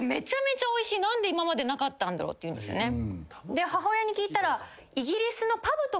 で母親に聞いたら。